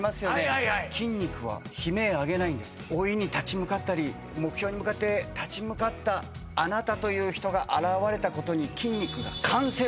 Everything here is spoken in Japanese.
はいはいはい老いに立ち向かったり目標に向かって立ち向かったあなたという人が現れたことにあっ